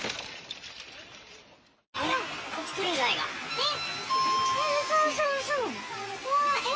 えっ？